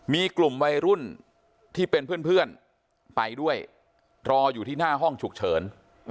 มีกลุ่มวัยรุ่นที่เป็นเพื่อนไปด้วยรออยู่ที่หน้าห้องฉุกเฉิน